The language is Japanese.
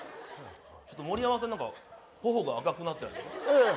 ちょっと盛山さん何か頬が赤くなってるええ